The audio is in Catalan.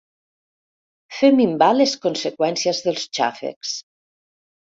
Fer minvar les conseqüències dels xàfecs.